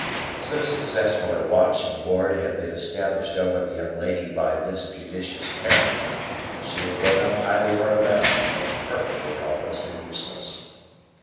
So successful a watch and ward had been established over the young lady by this judicious parent, that she had grown up highly ornamental, but perfectly helpless and useless.